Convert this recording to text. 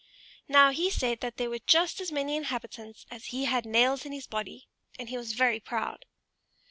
Now he said that there were just as many inhabitants as he had nails in his body; and he was very proud.